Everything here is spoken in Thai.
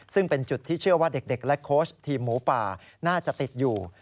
ซึ่งเป็นจุดที่เชื่อว่าเด็กและโค้ชทีมหมูป่าน่าจะติดอยู่